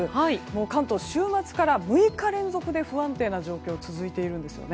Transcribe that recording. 関東、週末から６日連続で不安定な状況が続いているんです。